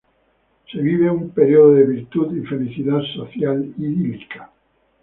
Se vive un período de virtud y felicidad social idílica.